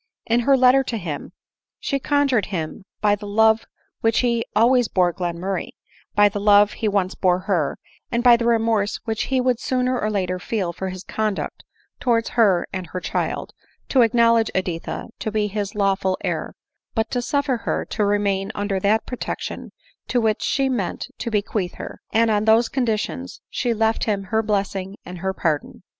In her letter to him, she conjured him by the love which he always bore Glenmurray, by the love he once bore her, and by the remorse which he would sooner or later feel for his conduct towards her and her child, to acknowledge Editha to be his lawful heir, but to suffer her to remain under that protection to which she meant to bequeath her; and on these conditions she left him her blessing, and her pardon.